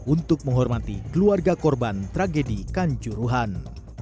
untuk menghormati keluarga korban tragedi kanjuruhan